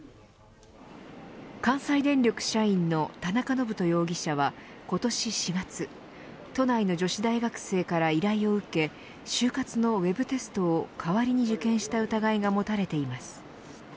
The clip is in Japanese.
関西電力社員の田中信人容疑者は今年４月都内の女子大学生から依頼を受け就活のウェブテストを代わりに受験した疑いが持たれています。